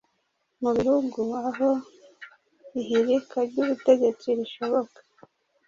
Mu bihugu aho ihirika ry'ubutegetsi rishoboka